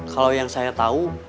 kalau yang saya tahu